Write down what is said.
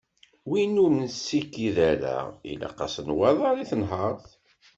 Win ur nsekked ara ilaq-as nwaḍer i tenhert.